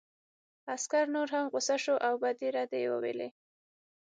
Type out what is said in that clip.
عسکر نور هم غوسه شو او بدې ردې یې وویلې